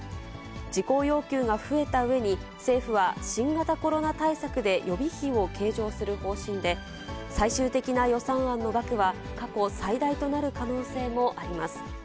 事項要求が増えたうえに、政府は新型コロナ対策で予備費を計上する方針で、最終的な予算案の額は、過去最大となる可能性もあります。